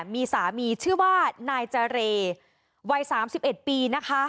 มีสามีชื่อว่านายเจอร์เรย์วัยสามสิบเอ็ดปีนะคะ